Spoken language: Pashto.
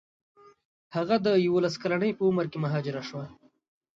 هغه د یوولس کلنۍ په عمر کې مهاجره شوه.